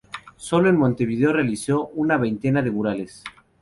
Solo en Montevideo realizó una veintena de murales.